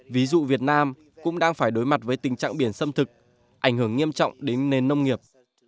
ví dụ việt nam cũng đang phải đối mặt với tình trạng biển xâm thực ảnh hưởng nghiêm trọng đến nền nông nghiệp